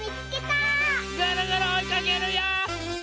ぐるぐるおいかけるよ！